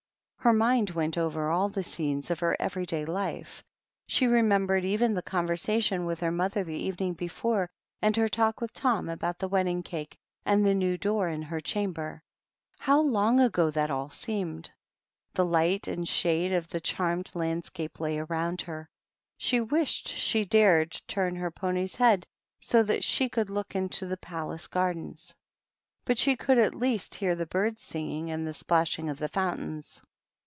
Her mind went oyer all the scenes of her eyery day life. She remembered eyen the conversation with her mother the evening before, and her talk with Tom about the wedding cake, and the new door in her chamber. How long ago that all seemed! The light and shade of the charmed landscape lay around her ; she wished she dared turn her pony's head so that she could look into the palace gardens; but she could at least j hear the birds singing and the splashing of the J fountains.